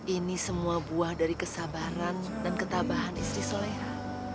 ini semua buah dari kesabaran dan ketabahan istri soleh